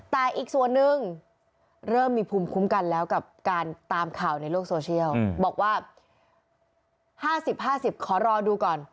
แต่อีกส่วนนึงเริ่มมีภูมิคุ้มกันแล้วกับการตามข่าวในโลกโซเชียลบอกว่า๕๐๕๐ขอรอดูก่อน